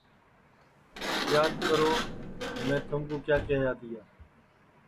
یاد کرو میں تھمکُو کیا کیہیا تیا